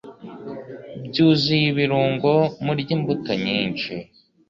byuzuye ibirungo Murye imbuto nyinshi